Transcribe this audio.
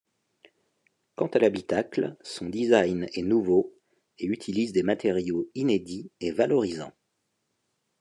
Quant à l'habitacle, son design est nouveau et utilise des matériaux inédits et valorisants.